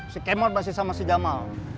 si kemod masih sama si jama